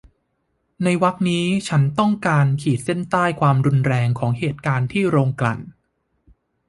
ในวรรคนี้ฉันต้องการขีดเส้นใต้ความรุนแรงของเหตุการณ์ที่โรงกลั่น